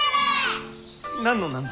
何の何の。